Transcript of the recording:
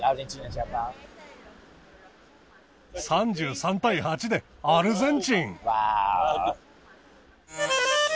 ３３対８でアルゼンチン。